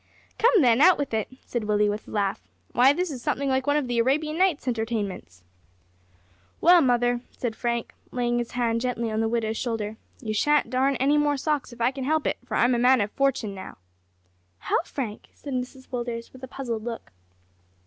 "Come, then, out with it," said Willie, with a laugh; "why, this is something like one of the Arabian Nights' Entertainments." "Well, mother," said Frank, laying his hand gently on the widow's shoulder, "you shan't darn any more socks if I can help it, for I'm a man of fortune now!" "How, Frank?" said Mrs Willders, with a puzzled look.